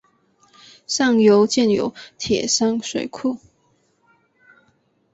上游建有铁山水库。